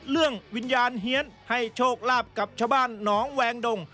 วิญญาณเฮียนให้โชคลาภกับชาวบ้านหนองแวงดง